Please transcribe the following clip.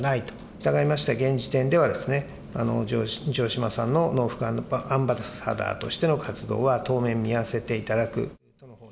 したがいまして、現時点では、城島さんのアンバサダーとしての活動は当面見合わせていただく。